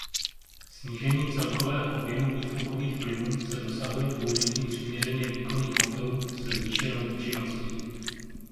Snížení celkového objemu výfukových plynů se dosahuje použitím přiměřeně výkonných motorů se zvýšenou účinností.